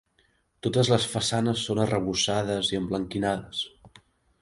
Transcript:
Totes les façanes són arrebossades i emblanquinades.